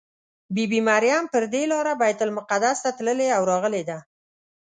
بي بي مریم پر دې لاره بیت المقدس ته تللې او راغلې ده.